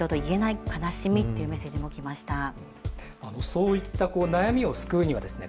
そういった悩みを救うにはですね